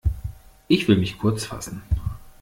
Ich will mich kurzfassen.